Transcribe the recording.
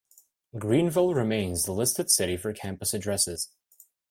Greenville remains the listed city for campus addresses.